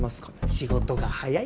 仕事が早い。